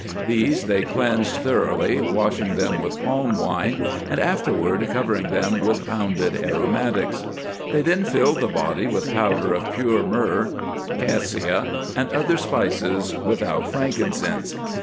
These they cleansed thoroughly, washing them with palm wine, and afterward covering them with pounded aro matics. They then filled the body with powder of pure myrrh, cassia, and other spices, without frankincense.